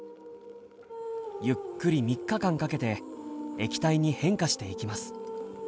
ゆっくり３日間かけて液体に変化していきます。